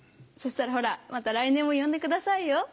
そしたらほらまた来年も呼んでくださいよ。